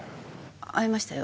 会いましたよ